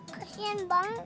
kasian banget linci